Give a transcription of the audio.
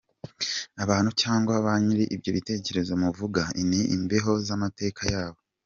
Abantu, cyangwa ba nyiri ibyo bitekerezo muvuga, ni imbohe z’amateka yabo.